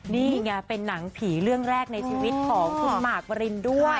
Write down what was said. นี่ไงเป็นหนังผีเรื่องแรกในชีวิตของคุณหมากบรินด้วย